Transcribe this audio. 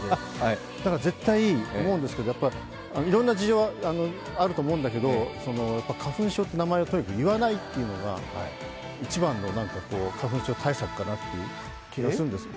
だから絶対思うんですけどいろんな事情があると思うんだけど花粉症という名前をとにかく言わないというのが一番の花粉症対策かなという気がするんですけど。